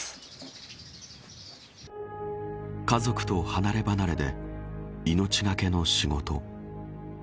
家族と離れ離れで命懸けの仕事。